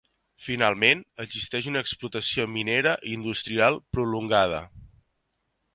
Finalment, existeix una explotació minera i industrial prolongada.